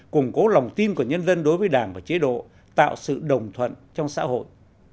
củng cố lòng tin của nhân dân đối với đảng và chế độ tạo sự đồng thuận trong xã hội